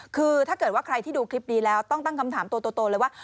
คือถ้าเกิดว่าใครที่ดูคลิปนี้แล้วต้องตั้งคำถามตัวเลยว่า